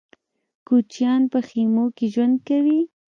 کوچيان په خيمو کې ژوند کوي.